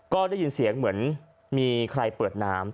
ก็ได้ยินเสียงเหมือนมีใครเปิดน้ำ